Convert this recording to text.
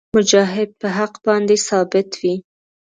مجاهد په حق باندې ثابت وي.